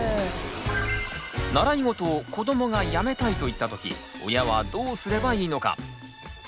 習い事を子どもがやめたいと言ったとき親はどうすればいいのか。